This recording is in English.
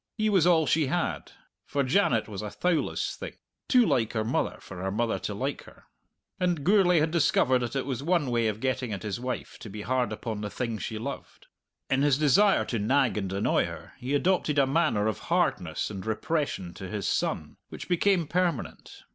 He was all she had, for Janet was a thowless thing, too like her mother for her mother to like her. And Gourlay had discovered that it was one way of getting at his wife to be hard upon the thing she loved. In his desire to nag and annoy her he adopted a manner of hardness and repression to his son which became permanent.